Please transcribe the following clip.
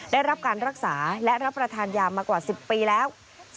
ได้รับการรักษาและรับประทานยามากว่า๑๐ปีแล้ว